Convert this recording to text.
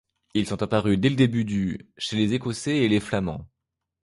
Ils sont apparus dès le début du chez les Écossais et les Flamands.